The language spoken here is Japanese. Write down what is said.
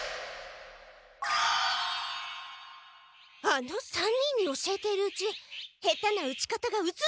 あの３人に教えているうち下手な打ち方がうつっちゃったんだわ！